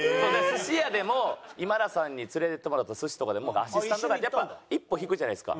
寿司屋でも今田さんに連れていってもらった寿司とかでもアシスタントとかやっぱ一歩引くじゃないですか。